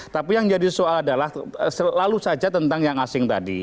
tapi yang jadi soal adalah selalu saja tentang yang asing tadi